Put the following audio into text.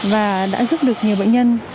và đã giúp được nhiều bệnh nhân